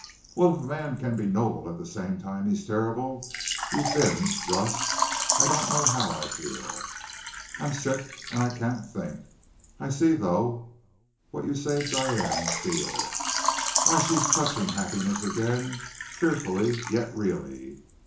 "Well, if a man can be noble at the same time he's terrible, you've been, Russ I don't know how I feel. I'm sick and I can't think. I see, though, what you saved Diane and Steele. Why, she's touching happiness again, fearfully, yet really.